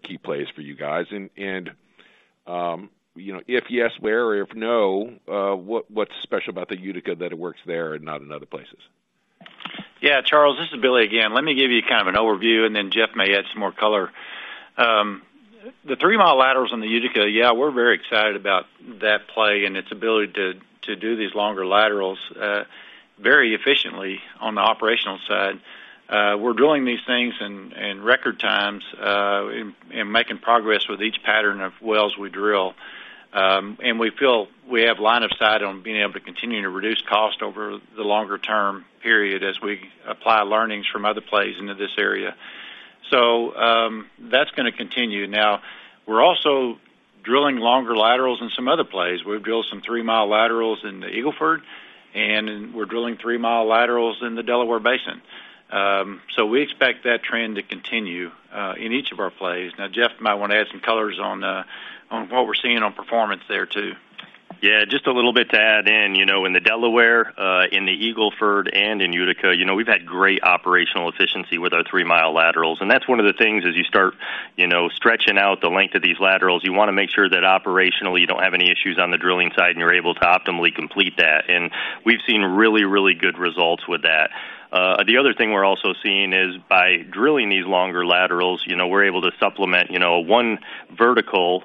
key plays for you guys. And you know, if yes, where? Or if no, what's special about the Utica, that it works there and not in other places? Yeah, Charles, this is Billy again. Let me give you kind of an overview, and then Jeff may add some more color. The three-mile laterals on the Utica, yeah, we're very excited about that play and its ability to do these longer laterals very efficiently on the operational side. We're drilling these things in record times and making progress with each pattern of wells we drill. And we feel we have line of sight on being able to continue to reduce cost over the longer-term period as we apply learnings from other plays into this area. So, that's gonna continue. Now, we're also drilling longer laterals in some other plays. We've drilled some three-mile laterals in the Eagle Ford, and we're drilling three-mile laterals in the Delaware Basin. So we expect that trend to continue in each of our plays. Now, Jeff might want to add some colors on what we're seeing on performance there, too. Yeah, just a little bit to add in. You know, in the Delaware, in the Eagle Ford, and in Utica, you know, we've had great operational efficiency with our three-mile laterals, and that's one of the things as you start, you know, stretching out the length of these laterals, you wanna make sure that operationally, you don't have any issues on the drilling side, and you're able to optimally complete that. And we've seen really, really good results with that. The other thing we're also seeing is by drilling these longer laterals, you know, we're able to supplement, you know, one vertical,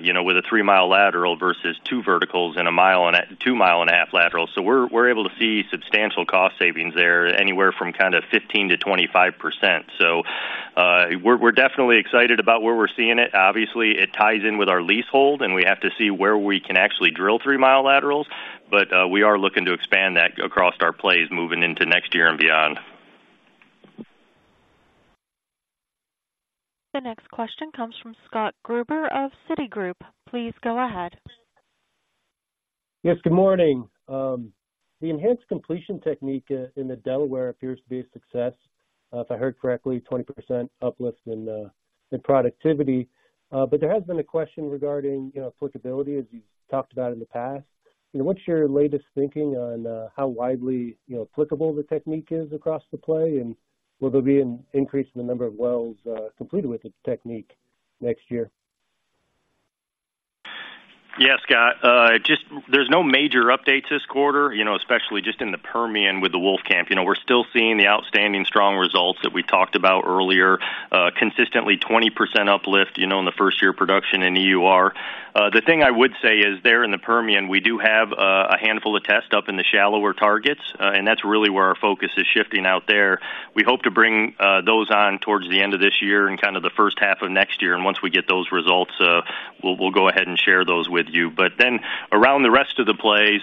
you know, with a three-mile lateral versus two verticals and a mile and a half lateral. So we're able to see substantial cost savings there, anywhere from kind of 15%-25%. So, we're definitely excited about where we're seeing it. Obviously, it ties in with our leasehold, and we have to see where we can actually drill three-mile laterals, but we are looking to expand that across our plays moving into next year and beyond. The next question comes from Scott Gruber of Citigroup. Please go ahead. Yes, good morning. The enhanced completion technique in the Delaware appears to be a success. If I heard correctly, 20% uplift in productivity. But there has been a question regarding, you know, applicability, as you've talked about in the past. What's your latest thinking on how widely, you know, applicable the technique is across the play? And will there be an increase in the number of wells completed with this technique next year? Yeah, Scott. Just, there's no major updates this quarter, you know, especially just in the Permian with the Wolfcamp. You know, we're still seeing the outstanding strong results that we talked about earlier, consistently 20% uplift, you know, in the first-year production in EUR. The thing I would say is there in the Permian, we do have a handful of tests up in the shallower targets, and that's really where our focus is shifting out there. We hope to bring those on towards the end of this year and kind of the first half of next year. And once we get those results, we'll go ahead and share those with you. But then, around the rest of the plays,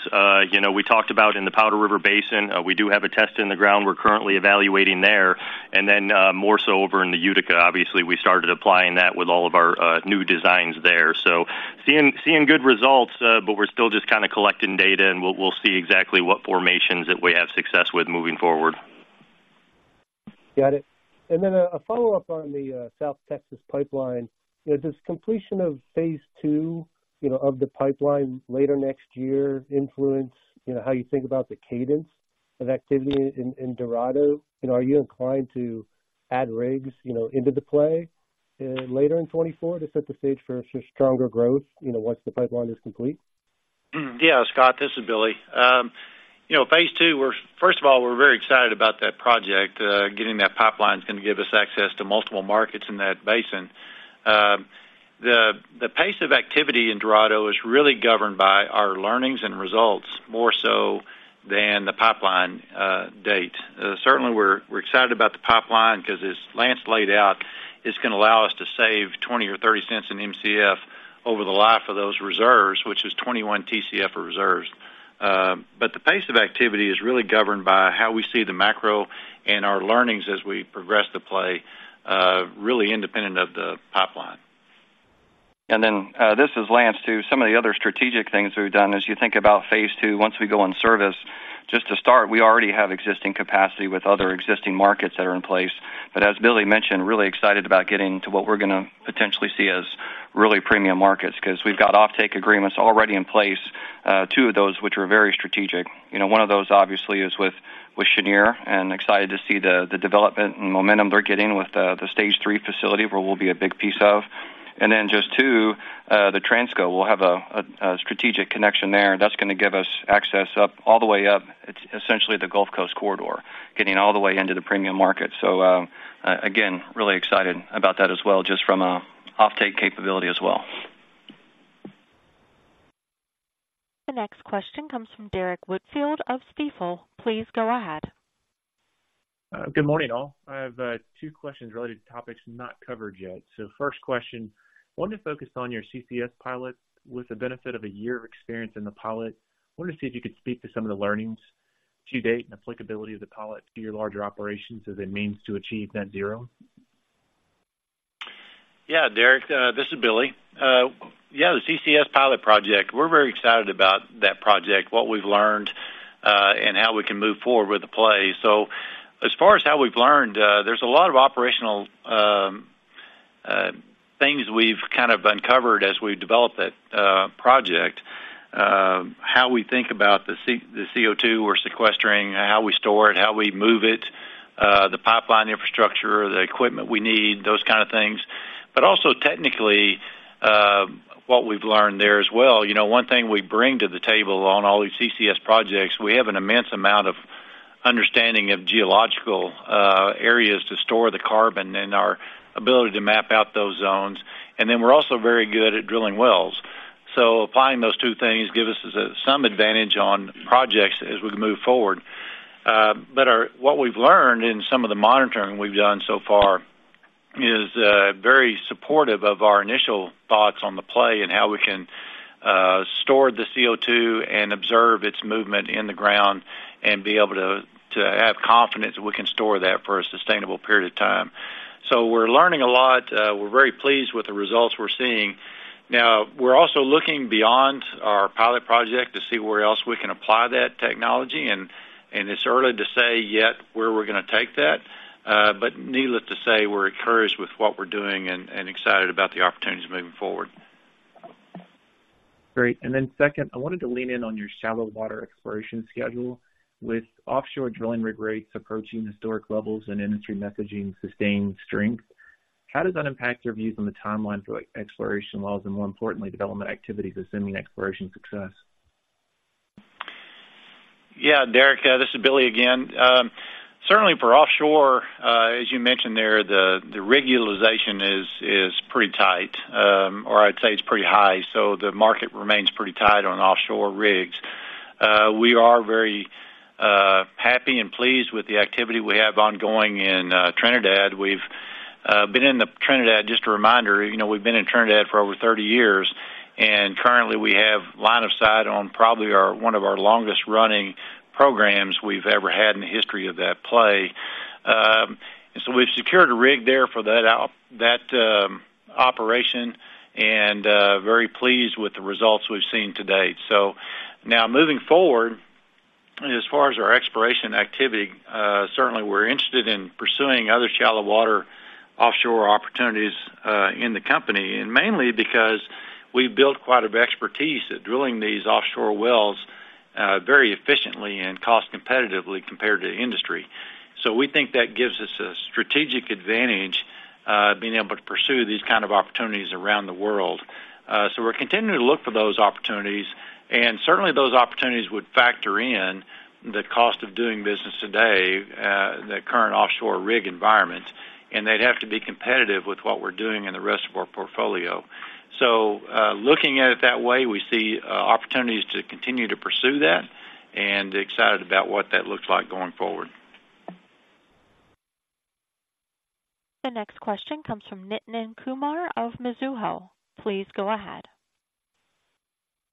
you know, we talked about in the Powder River Basin, we do have a test in the ground we're currently evaluating there. And then, more so over in the Utica, obviously, we started applying that with all of our, new designs there. So seeing, seeing good results, but we're still just kinda collecting data, and we'll, we'll see exactly what formations that we have success with moving forward. Got it. And then a follow-up on the South Texas pipeline. Does this completion of Phase 2, you know, of the pipeline later next year, influence, you know, how you think about the cadence of activity in Dorado? You know, are you inclined to add rigs, you know, into the play later in 2024 to set the stage for stronger growth, you know, once the pipeline is complete? Yeah, Scott, this is Billy. You know, Phase 2, we're first of all, we're very excited about that project. Getting that pipeline is gonna give us access to multiple markets in that basin. The pace of activity in Dorado is really governed by our learnings and results, more so than the pipeline date. Certainly we're excited about the pipeline because as Lance laid out, it's gonna allow us to save $0.20-$0.30 per Mcf over the life of those reserves, which is 21 TCF of reserves. But the pace of activity is really governed by how we see the macro and our learnings as we progress the play, really independent of the pipeline. And then, this is Lance, too. Some of the other strategic things we've done, as you think about Phase 2, once we go in service, just to start, we already have existing capacity with other existing markets that are in place. But as Billy mentioned, really excited about getting to what we're gonna potentially see as really premium markets because we've got offtake agreements already in place, two of those, which are very strategic. You know, one of those obviously is with Cheniere, and excited to see the development and momentum they're getting with the Stage 3 facility, where we'll be a big piece of. And then just two, the Transco, we'll have a strategic connection there. That's gonna give us access up, all the way up, essentially, the Gulf Coast corridor, getting all the way into the premium market. So, again, really excited about that as well, just from a offtake capability as well. The next question comes from Derrick Whitfield of Stifel. Please go ahead. Good morning, all. I have two questions related to topics not covered yet. So first question, I wanted to focus on your CCS pilot. With the benefit of a year of experience in the pilot, I wanted to see if you could speak to some of the learnings to date and applicability of the pilot to your larger operations as it means to achieve net zero. Yeah, Derrick, this is Billy. Yeah, the CCS pilot project, we're very excited about that project, what we've learned, and how we can move forward with the play. So as far as how we've learned, there's a lot of operational things we've kind of uncovered as we've developed that project. How we think about the C- the CO2 we're sequestering, how we store it, how we move it, the pipeline infrastructure, the equipment we need, those kind of things. But also, technically, what we've learned there as well. You know, one thing we bring to the table on all these CCS projects, we have an immense amount of understanding of geological areas to store the carbon and our ability to map out those zones, and then we're also very good at drilling wells. So applying those two things give us some advantage on projects as we move forward. But what we've learned in some of the monitoring we've done so far is very supportive of our initial thoughts on the play and how we can store the CO2 and observe its movement in the ground and be able to have confidence that we can store that for a sustainable period of time. So we're learning a lot. We're very pleased with the results we're seeing. Now, we're also looking beyond our pilot project to see where else we can apply that technology, and it's early to say yet where we're gonna take that, but needless to say, we're encouraged with what we're doing and excited about the opportunities moving forward. Great. Then second, I wanted to lean in on your shallow water exploration schedule. With offshore drilling rig rates approaching historic levels and industry messaging sustained strength, how does that impact your views on the timeline for exploration wells, and more importantly, development activities, assuming exploration success? Yeah, Derrick, this is Billy again. Certainly for offshore, as you mentioned there, the rig utilization is pretty tight, or I'd say it's pretty high, so the market remains pretty tight on offshore rigs. We are very happy and pleased with the activity we have ongoing in Trinidad. We've been in Trinidad, just a reminder, you know, we've been in Trinidad for over 30 years, and currently we have line of sight on probably our one of our longest running programs we've ever had in the history of that play. So we've secured a rig there for that operation, and very pleased with the results we've seen to date. So now, moving forward, as far as our exploration activity, certainly we're interested in pursuing other shallow water offshore opportunities, in the company, and mainly because we've built quite of expertise at drilling these offshore wells, very efficiently and cost competitively compared to industry. So we think that gives us a strategic advantage, being able to pursue these kind of opportunities around the world. So we're continuing to look for those opportunities, and certainly those opportunities would factor in the cost of doing business today, the current offshore rig environment, and they'd have to be competitive with what we're doing in the rest of our portfolio. So, looking at it that way, we see opportunities to continue to pursue that, and excited about what that looks like going forward. The next question comes from Nitin Kumar of Mizuho. Please go ahead.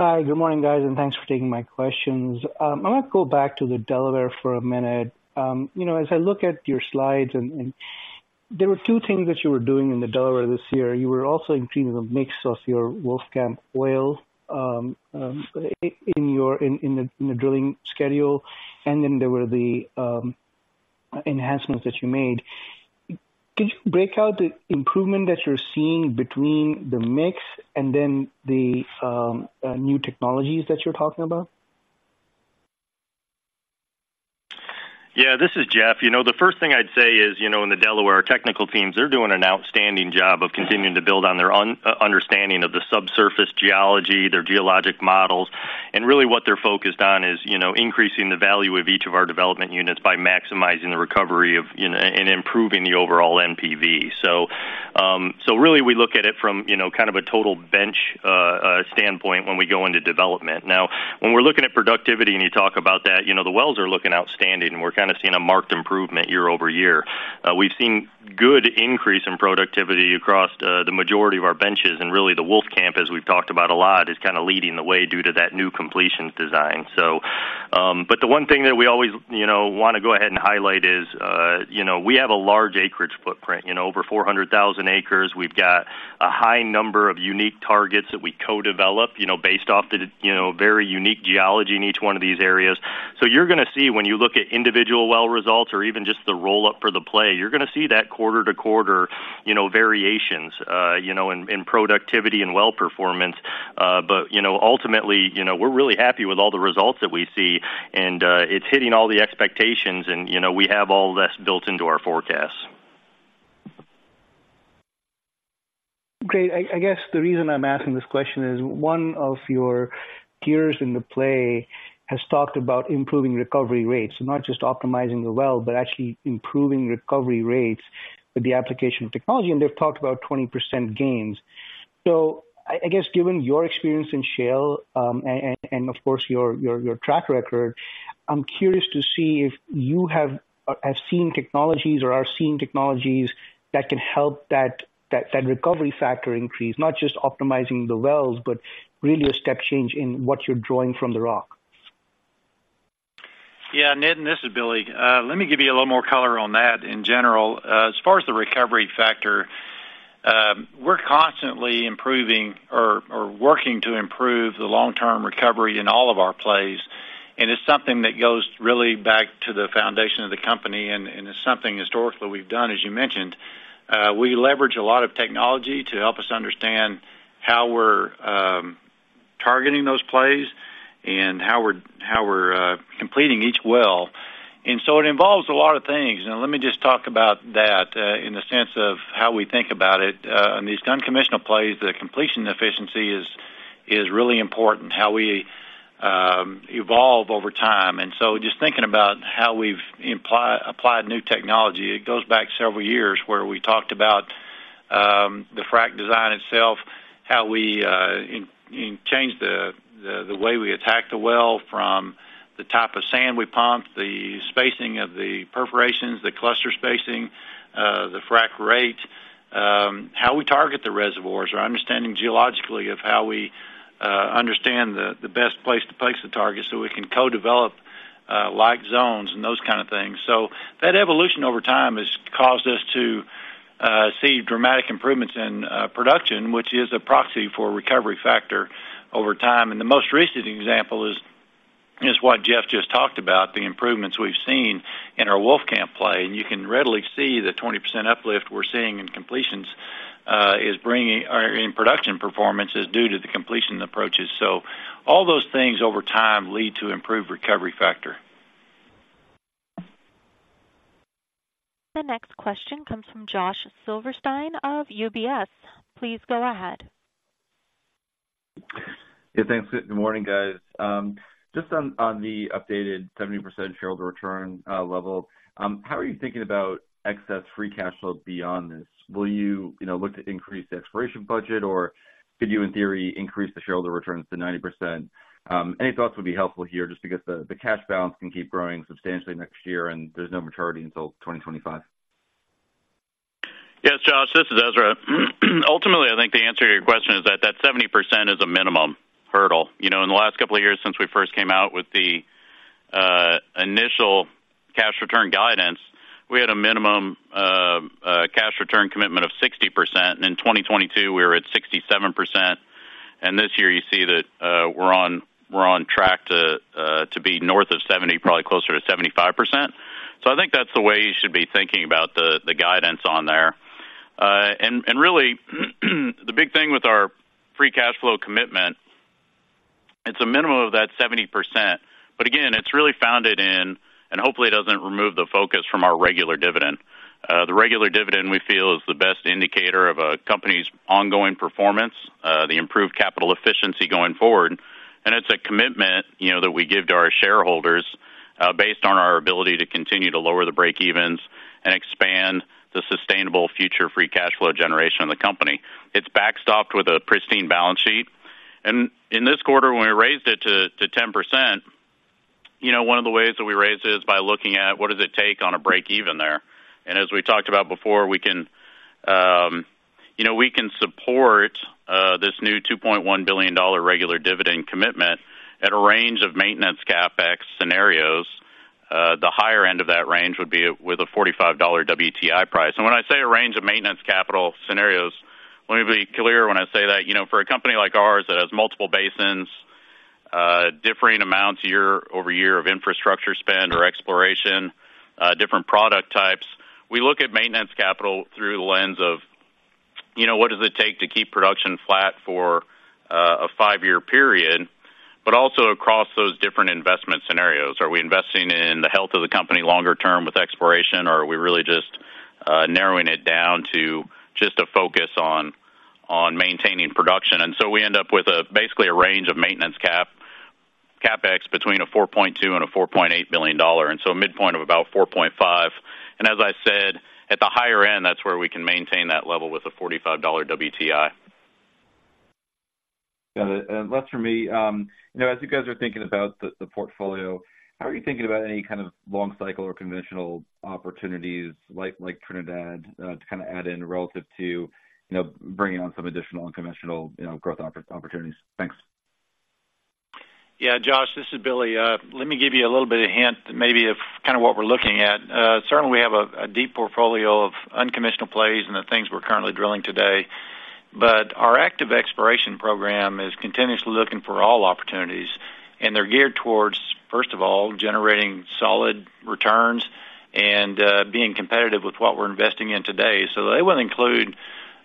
Hi, good morning, guys, and thanks for taking my questions. I want to go back to the Delaware for a minute. You know, as I look at your slides, and there were two things that you were doing in the Delaware this year. You were also increasing the mix of your Wolfcamp oil in your drilling schedule, and then there were the enhancements that you made. Could you break out the improvement that you're seeing between the mix and then the new technologies that you're talking about? Yeah, this is Jeff. You know, the first thing I'd say is, you know, in the Delaware, our technical teams, they're doing an outstanding job of continuing to build on their understanding of the subsurface geology, their geologic models, and really what they're focused on is, you know, increasing the value of each of our development units by maximizing the recovery of, you know, and improving the overall NPV. So really, we look at it from, you know, kind of a total bench standpoint when we go into development. Now, when we're looking at productivity, and you talk about that, you know, the wells are looking outstanding, and we're kinda seeing a marked improvement year-over-year. We've seen good increase in productivity across the majority of our benches, and really, the Wolfcamp, as we've talked about a lot, is kinda leading the way due to that new completions design. But the one thing that we always, you know, wanna go ahead and highlight is, you know, we have a large acreage footprint, you know, over 400,000 acres. We've got a high number of unique targets that we co-develop, you know, based off the, you know, very unique geology in each one of these areas. You're gonna see when you look at individual well results or even just the roll-up for the play, you're gonna see that quarter-to-quarter, you know, variations, you know, in productivity and well performance. But, you know, ultimately, you know, we're really happy with all the results that we see, and it's hitting all the expectations, and, you know, we have all this built into our forecasts. Great. I guess the reason I'm asking this question is, one of your peers in the play has talked about improving recovery rates, not just optimizing the well, but actually improving recovery rates with the application of technology, and they've talked about 20% gains. So I guess, given your experience in shale, and of course, your track record, I'm curious to see if you have seen technologies or are seeing technologies that can help that recovery factor increase, not just optimizing the wells, but really a step change in what you're drawing from the rock. Yeah, Nitin, this is Billy. Let me give you a little more color on that in general. As far as the recovery factor, we're constantly improving or, or working to improve the long-term recovery in all of our plays, and it's something that goes really back to the foundation of the company, and, and it's something historically we've done, as you mentioned. We leverage a lot of technology to help us understand how we're targeting those plays and how we're, how we're completing each well. And so it involves a lot of things. Now, let me just talk about that in the sense of how we think about it. On these unconventional plays, the completion efficiency is, is really important, how we evolve over time. And so just thinking about how we've applied new technology, it goes back several years where we talked about the frac design itself, how we changed the way we attack the well from the type of sand we pump, the spacing of the perforations, the cluster spacing, the frac rate, how we target the reservoirs, or understanding geologically of how we understand the best place to place the target so we can co-develop like zones and those kind of things. So that evolution over time has caused us to see dramatic improvements in production, which is a proxy for recovery factor over time. And the most recent example is what Jeff just talked about, the improvements we've seen in our Wolfcamp play. You can readily see the 20% uplift we're seeing in completions is bringing—or in production performance—is due to the completion approaches. So all those things over time lead to improved recovery factor. The next question comes from Josh Silverstein of UBS. Please go ahead. Yeah, thanks. Good morning, guys. Just on the updated 70% shareholder return level, how are you thinking about excess free cash flow beyond this? Will you, you know, look to increase the exploration budget, or could you, in theory, increase the shareholder returns to 90%? Any thoughts would be helpful here, just because the cash balance can keep growing substantially next year, and there's no maturity until 2025. Yes, Josh, this is Ezra. Ultimately, I think the answer to your question is that that 70% is a minimum hurdle. You know, in the last couple of years, since we first came out with the initial cash return guidance, we had a minimum cash return commitment of 60%, and in 2022, we were at 67%. And this year, you see that we're on track to be north of 70, probably closer to 75%. So I think that's the way you should be thinking about the guidance on there. And really, the big thing with our free cash flow commitment, it's a minimum of that 70%, but again, it's really founded in, and hopefully it doesn't remove the focus from our regular dividend. The regular dividend, we feel, is the best indicator of a company's ongoing performance, the improved capital efficiency going forward. And it's a commitment, you know, that we give to our shareholders, based on our ability to continue to lower the breakevens and expand the sustainable future free cash flow generation of the company. It's backstopped with a pristine balance sheet. And in this quarter, when we raised it to 10%, you know, one of the ways that we raised it is by looking at what does it take on a breakeven there. And as we talked about before, we can, you know, we can support this new $2.1 billion regular dividend commitment at a range of maintenance CapEx scenarios. The higher end of that range would be with a $45 WTI price. When I say a range of maintenance capital scenarios, let me be clear when I say that. You know, for a company like ours, that has multiple basins, differing amounts year over year of infrastructure spend or exploration, different product types, we look at maintenance capital through the lens of, you know, what does it take to keep production flat for a 5-year period, but also across those different investment scenarios. Are we investing in the health of the company longer term with exploration, or are we really just narrowing it down to just a focus on maintaining production? And so we end up with basically a range of maintenance CapEx between $4.2 billion-$4.8 billion, and so a midpoint of about $4.5 billion. As I said, at the higher end, that's where we can maintain that level with a $45 WTI. Yeah, and last from me, you know, as you guys are thinking about the portfolio, how are you thinking about any kind of long cycle or conventional opportunities, like Trinidad, to kind of add in relative to, you know, bringing on some additional unconventional, you know, growth opportunities? Thanks. Yeah, Josh, this is Billy. Let me give you a little bit of hint, maybe of kind of what we're looking at. Certainly, we have a deep portfolio of unconventional plays and the things we're currently drilling today, but our active exploration program is continuously looking for all opportunities, and they're geared towards, first of all, generating solid returns and being competitive with what we're investing in today. So they would include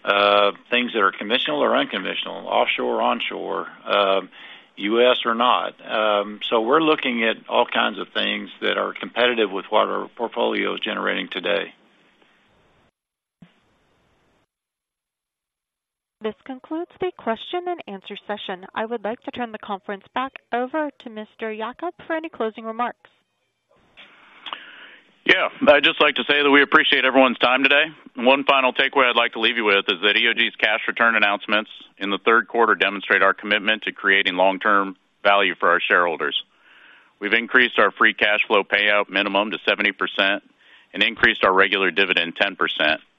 things that are conventional or unconventional, offshore or onshore, U.S. or not. So we're looking at all kinds of things that are competitive with what our portfolio is generating today. This concludes the question and answer session. I would like to turn the conference back over to Mr. Yacob for any closing remarks. Yeah. I'd just like to say that we appreciate everyone's time today. One final takeaway I'd like to leave you with is that EOG's cash return announcements in the third quarter demonstrate our commitment to creating long-term value for our shareholders. We've increased our free cash flow payout minimum to 70% and increased our regular dividend 10%,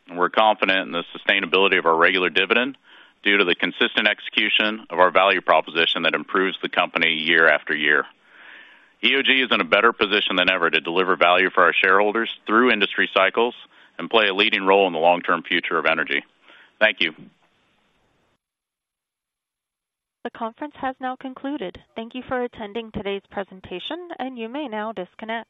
and we're confident in the sustainability of our regular dividend due to the consistent execution of our value proposition that improves the company year after year. EOG is in a better position than ever to deliver value for our shareholders through industry cycles and play a leading role in the long-term future of energy. Thank you. The conference has now concluded. Thank you for attending today's presentation, and you may now disconnect.